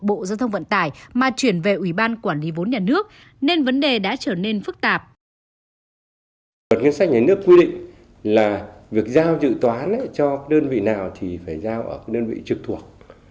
bộ giao thông vận tải mà chuyển về ủy ban quản lý vốn nhà nước